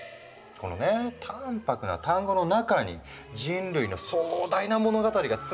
このね淡泊な単語の中に人類の壮大な物語が詰まってるのよ。